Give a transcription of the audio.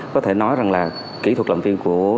có thể nói rằng là kỹ thuật làm phim của